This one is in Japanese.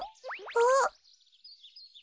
あっ。